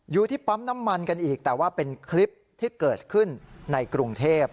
อยู่ที่ปั๊มน้ำมันกันอีกแต่ว่าเป็นคลิปที่เกิดขึ้นในกรุงเทพ